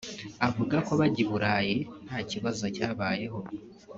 Avuga ko bajya I Burayi nta kibazo cyabayemo